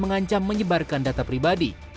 mengancam menyebarkan data pribadi